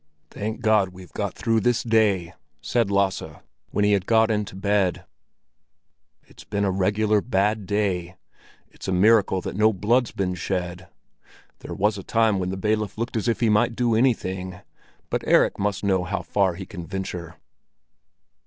"Thank God we've got through this day!" said Lasse, when he had got into bed. "It's been a regular bad day. It's a miracle that no blood's been shed; there was a time when the bailiff looked as if he might do anything. But Erik must know far he can venture."